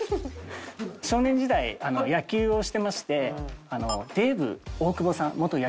少年時代野球をしてましてデーブ大久保さん元野球選手の。